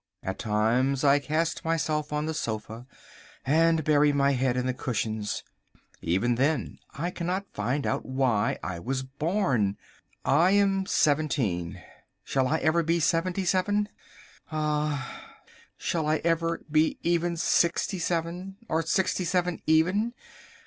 At times I cast myself on the sofa and bury my head in the cushions. Even then I cannot find out why I was born. I am seventeen. Shall I ever be seventy seven? Ah! Shall I ever be even sixty seven, or sixty seven even?